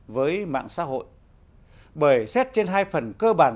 với mạng xã hội bởi xét trên hai phần cơ bản